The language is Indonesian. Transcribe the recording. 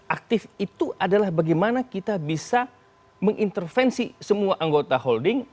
aktif itu adalah bagaimana kita bisa mengintervensi semua anggota holding